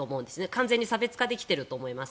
完全に差別化できていると思います。